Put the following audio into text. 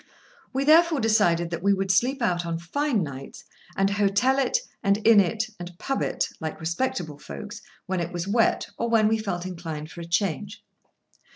We therefore decided that we would sleep out on fine nights; and hotel it, and inn it, and pub. it, like respectable folks, when it was wet, or when we felt inclined for a change.